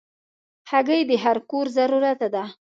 هګۍ د هر کور ضرورت ده.